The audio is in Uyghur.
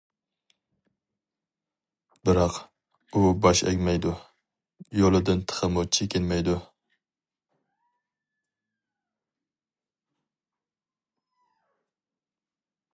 بىراق، ئۇ باش ئەگمەيدۇ، يولىدىن تېخىمۇ چېكىنمەيدۇ.